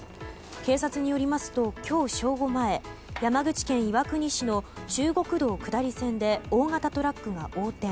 警察によりますと、今日正午前山口県岩国市の中国道下り線で大型トラックが横転。